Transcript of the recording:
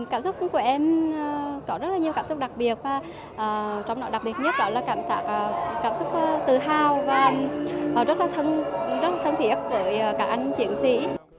cảm xúc của em có rất là nhiều cảm xúc đặc biệt và trong đó đặc biệt nhất đó là cảm giác cảm xúc tự hào và rất là thân thiết với các anh chiến sĩ